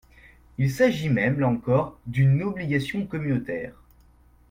Il s’agit même, là encore, d’une obligation communautaire.